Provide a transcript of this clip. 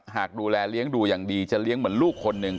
หากดูแลเลี้ยงดูอย่างดีจะเลี้ยงเหมือนลูกคนหนึ่ง